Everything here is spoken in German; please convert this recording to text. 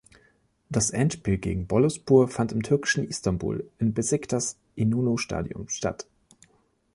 Das Endspiel gegen Boluspor fand im türkischen Istanbul im Besiktas Inonu Stadium statt.